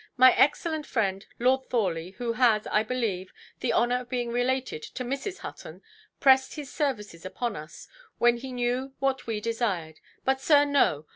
My excellent friend, Lord Thorley, who has, I believe, the honour of being related to Mrs. Hutton, pressed his services upon us, when he knew what we desired. But, sir, no.